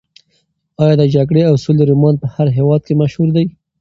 ایا د جګړې او سولې رومان په هر هېواد کې مشهور دی؟